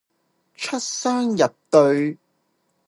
出雙入對